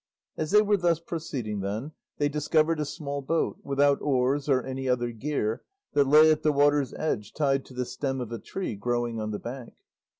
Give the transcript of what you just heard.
As they were thus proceeding, then, they discovered a small boat, without oars or any other gear, that lay at the water's edge tied to the stem of a tree growing on the bank.